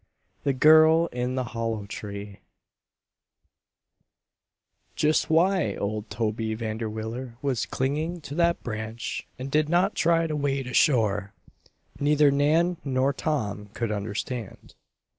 THE GIRL IN THE HOLLOW TREE Just why old Toby Vanderwiller was clinging to that branch and did not try to wade ashore, neither Nan nor Tom could understand.